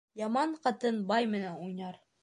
Яман ҡатын бай менән уйнар.